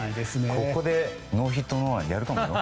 ここでノーヒットノーランやるかもよ。